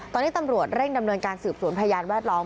ตอนนี้ตำรวจเร่งดำเนินการสืบสวนพยานแวดล้อม